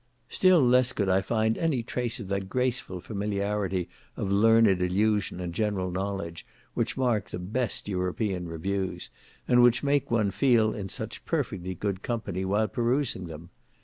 Still less could I find any trace of that graceful familiarity of learned allusion and general knowledge which mark the best European reviews, and which make one feel in such perfectly good company while perusing them.